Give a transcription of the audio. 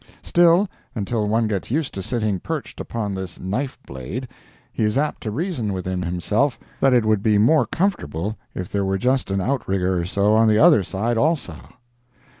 Still, until one gets used to sitting perched upon this knife blade, he is apt to reason within himself that it would be more comfortable if there were just an outrigger or so on the other side also.